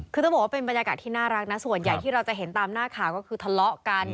คือต้องบอกว่าเป็นบรรยากาศที่น่ารักนะส่วนใหญ่ที่เราจะเห็นตามหน้าข่าวก็คือทะเลาะกัน